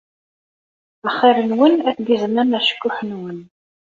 Axiṛ-awen ad tgezmem acekkuḥ-nwen.